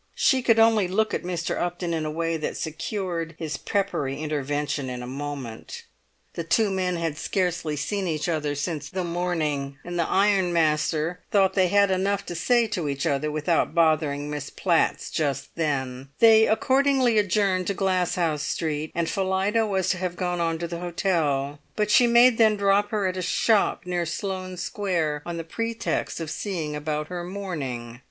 She could only look at Mr. Upton in a way that secured his peppery intervention in a moment. The two men had scarcely seen each other since the morning, and the ironmaster thought they had enough to say to each other without bothering Miss Platts just then; they accordingly adjourned to Glasshouse Street, and Phillida was to have gone on to the hotel; but she made them drop her at a shop near Sloane Square on the pretext of seeing about her mourning.